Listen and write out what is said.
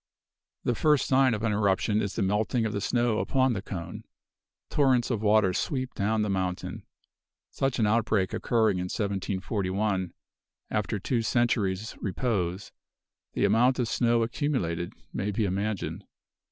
The first sign of an eruption is the melting of the snow upon the cone. Torrents of water sweep down the mountain. Such an outbreak occurring in 1741, after two centuries repose, the amount of snow accumulated may be imagined.